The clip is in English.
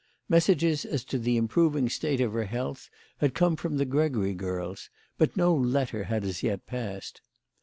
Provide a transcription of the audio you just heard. Messages as to the improving state of her health had come from the Gregory girls, but no letter had as yet passed.